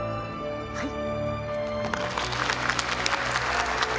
はい。